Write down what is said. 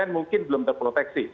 mungkin belum terproteksi